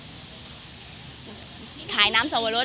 ตอนนี้อะคะขายน้ำสวรรค์รถ